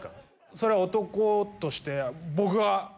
それは男として。